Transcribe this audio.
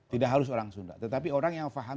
tidak harus orang sunda tetapi orang yang paham